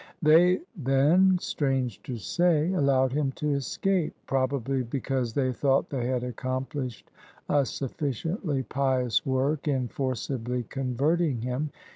They then, strange to say, allowed him to escape, probably because they thought they had accomplished a sufficiently pious work in forcibly converting him.